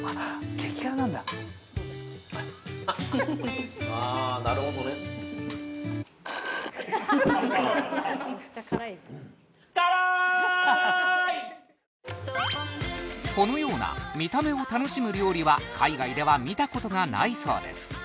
激辛なんだハハハッあなるほどねこのような見た目を楽しむ料理は海外では見たことがないそうです